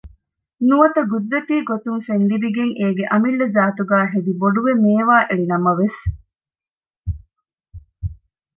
ނުވަތަ ގުދުރަތީގޮތުން ފެންލިބިގެން އޭގެ އަމިއްލަ ޒާތުގައި ހެދިބޮޑުވެ މޭވާއެޅިނަމަވެސް